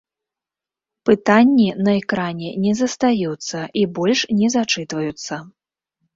Пытанні на экране не застаюцца і больш не зачытваюцца.